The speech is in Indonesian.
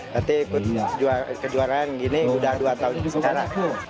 berarti ikut kejuaraan ini sudah dua tahun sekarang